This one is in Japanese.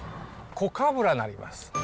コカブラになります。